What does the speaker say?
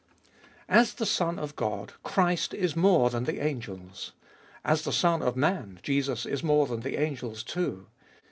As the Son of God Christ is more than the angels. As the Son of Man Jesus is more than the angels too.